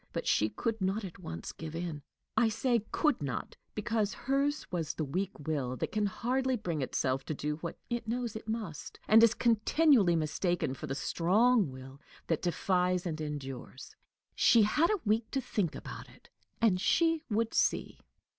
But she could not at once give in. I say "could not," because hers was the weak will that can hardly bring itself to do what it knows it must, and is continually mistaken for the strong will that defies and endures. She had a week to think about it, and she would see!